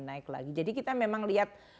naik lagi jadi kita memang lihat